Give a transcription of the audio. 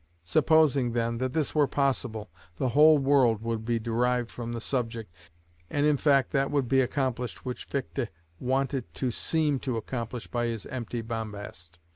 Supposing, then, that this were possible, the whole world would be derived from the subject, and in fact, that would be accomplished which Fichte wanted to seem to accomplish by his empty bombast.